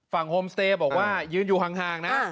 โฮมสเตย์บอกว่ายืนอยู่ห่างนะ